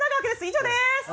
以上です！